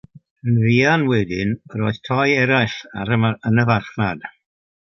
Yn fuan wedyn, yr oedd tai eraill yn y farchnad.